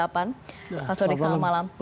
pak sodik selamat malam